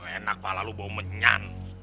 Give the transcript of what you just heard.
enak pahala lo bau menyan